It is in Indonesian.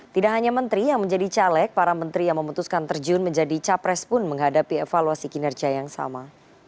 tidak hanya menteri yang menjadi caleg para menteri yang memutuskan terjun menjadi capres pun menghadapi evaluasi kinerja yang sama